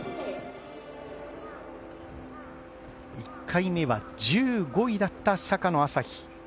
１回目は１５位だった坂野旭飛。